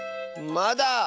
まだ。